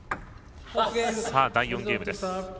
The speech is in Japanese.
第４ゲームです。